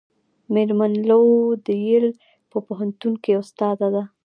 میرمن لو د ییل په پوهنتون کې استاده ده.